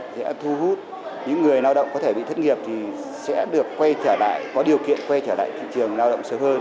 sẽ thu hút những người lao động có thể bị thất nghiệp thì sẽ được quay trở lại có điều kiện quay trở lại thị trường lao động sớm hơn